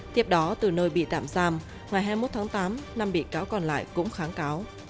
tiếp đó từ nơi bị tạm giam ngày hai mươi một tháng tám năm bị cáo còn lại cũng kháng cáo